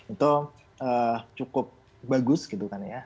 itu cukup bagus gitu kan ya